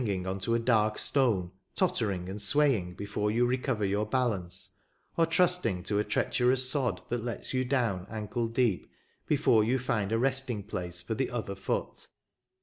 ing on to a large stone, tottering and swaying before you recover your balance, or trusting to a treacherous sod that lets you down ankle deep before you find a resting place for the other foot.